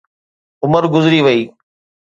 عمر گذري وئي.